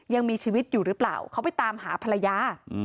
ยังมีชีวิตอยู่หรือเปล่าเขาไปตามหาภรรยา